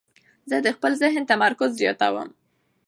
زه د خپل ذهن تمرکز زیاتوم.